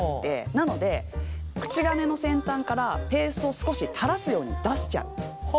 なので口金の先端からペーストを少し垂らすように出しちゃう。